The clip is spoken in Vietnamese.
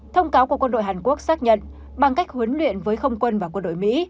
thông cáo của quân đội hàn quốc xác nhận bằng cách huấn luyện với không quân và quân đội mỹ